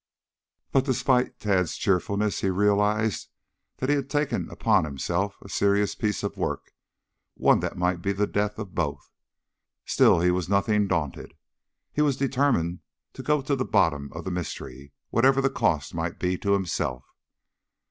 But despite Tad's cheerfulness he realized that he had taken upon himself a serious piece of work, one that might be the death of both. Still, he was nothing daunted. He was determined to go to the bottom of the mystery, whatever the cost might be to himself.